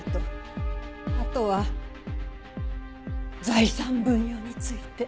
あとは財産分与について。